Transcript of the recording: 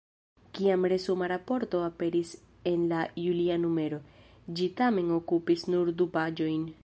Kiam resuma raporto aperis en la julia numero, ĝi tamen okupis nur du paĝojn.